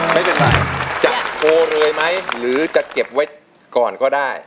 ไม่เป็นไรจะโทรเลยไหมหรือจะเก็บไว้ก่อนก็ได้